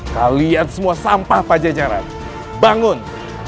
kalian semua sampah pada jajaran bangun